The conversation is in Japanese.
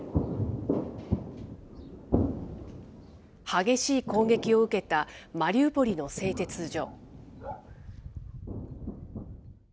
激しい攻撃を受けた、マリウポリの製鉄所。